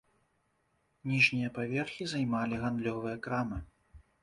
Ніжнія паверхі займалі гандлёвыя крамы.